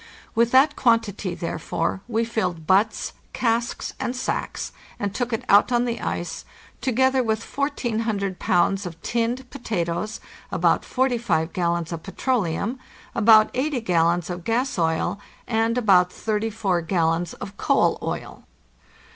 With that quantity, therefore, we filled butts, casks, and sacks, and took it out on the ice, together with 1400 pounds of tinned potatoes, about 45 gallons of petroleum, about 80 gallons of gas oil, and about 34 gallons of coal oil.